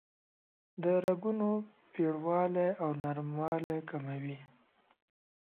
د رګونو پیړوالی او نرموالی کموي.